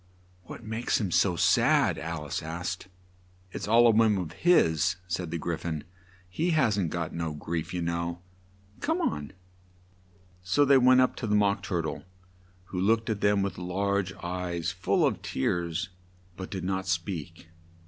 "What makes him so sad?" Al ice asked. "It's all a whim of his," said the Gry phon; "he hasn't got no grief, you know. Come on!" So they went up to the Mock Tur tle, who looked at them with large eyes full of tears, but did not speak.